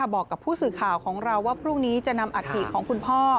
บอกกับผู้สื่อข่าวของเราว่าพรุ่งนี้จะนำอัฐิของคุณพ่อ